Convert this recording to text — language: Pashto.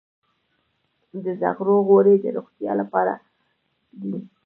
د زغرو غوړي د روغتیا لپاره دي.